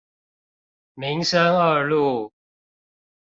民生二路